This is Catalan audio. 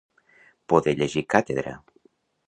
Poder llegir càtedra.